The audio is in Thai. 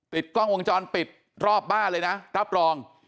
กล้องวงจรปิดรอบบ้านเลยนะรับรอง